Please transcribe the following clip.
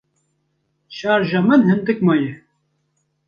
Şarja min hindik maye.